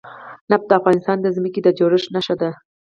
نفت د افغانستان د ځمکې د جوړښت نښه ده.